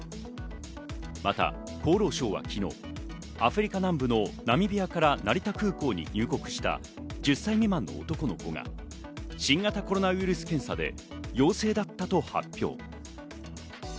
また、厚労省は昨日、アフリカ南部のナミビアから成田空港に入国した１０歳未満の男の子が新型コロナウイルス検査で陽性だったと発表。